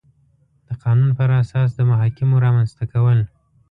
د قانون پر اساس د محاکمو رامنځ ته کول